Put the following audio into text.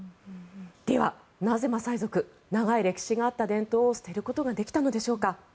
では、なぜマサイ族長い歴史があった伝統を捨てることができたのでしょうか。